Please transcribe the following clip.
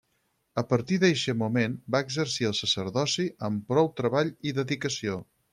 A partir d'eixe moment va exercir el sacerdoci amb prou treball i dedicació.